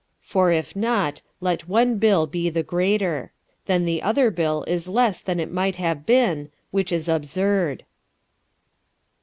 For if not, let one bill be the greater. Then the other bill is less than it might have been which is absurd.